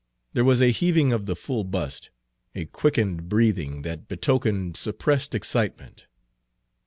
There was a heaving of the full bust, a quickened breathing, that betokened suppressed excitement.